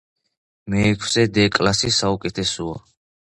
მეექვსე დე კლასი საუკეთესოა